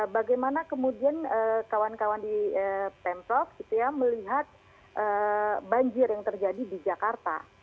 bagaimana kemudian kawan kawan di pemprov melihat banjir yang terjadi di jakarta